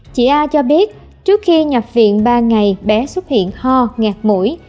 chị a cho biết trước khi nhập viện ba ngày bé xuất hiện ho ngạt mũi